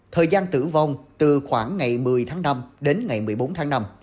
thời gian tử vong từ khoảng ngày một mươi tháng năm đến ngày một mươi bốn tháng năm